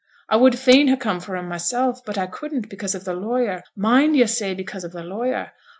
I would fain ha' come for 'em, myself, but I couldn't, because of th' lawyer, mind yo' say because of th' lawyer.